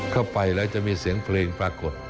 เข้าไปแล้วจะมีเสียงเพลงปรากฏ